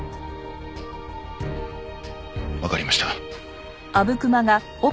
わかりました。